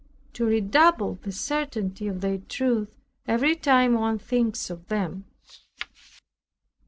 To redouble the certainty of their truth every time one thinks of them.